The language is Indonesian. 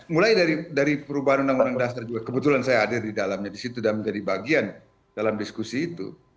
mulai dari perubahan undang undang dasar juga kebetulan saya hadir di dalamnya disitu dan menjadi bagian dalam diskusi itu